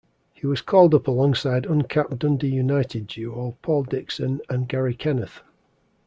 He was called up alongside uncapped Dundee United duo Paul Dixon and Garry Kenneth.